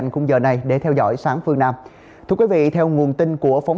cùng với sáng phương nam